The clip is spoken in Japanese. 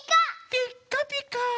ピッカピカ。